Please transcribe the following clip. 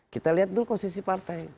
kita lihat dulu posisi partai